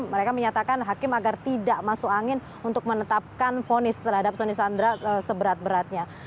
mereka menyatakan hakim agar tidak masuk angin untuk menetapkan fonis terhadap soni sandra seberat beratnya